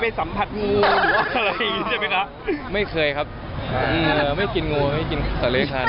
ผมชอบตั๋อยังกันไม่ถึงไม่เคย